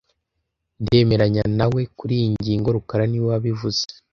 Ndemeranya nawe kuriyi ngingo rukara niwe wabivuze